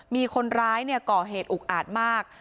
มีคนร้ายก่อเหตุอุกอาจมาก